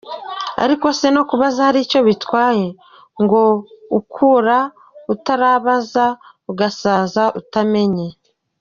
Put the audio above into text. Ariko se no kubaza hari icyo bitwaye ? Ngo ukura utabaza, ugasaza utamenye !.